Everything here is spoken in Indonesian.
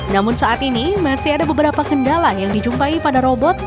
namun saat ini masih ada beberapa kendala yang dijumpai pada robot